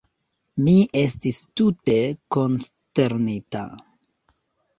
Mi estis tute konsternita.